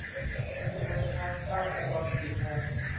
คุณจะเดินทางข้ามไปตอนกี่โมง